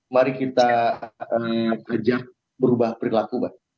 mari kita kerja berubah perilaku abah